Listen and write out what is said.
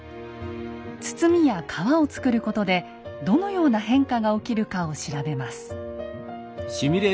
堤や川を造ることでどのような変化が起きるかを調べます。